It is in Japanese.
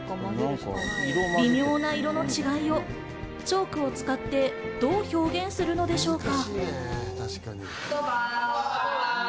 微妙な色の違いをチョークを使ってどう表現するのでしょうか？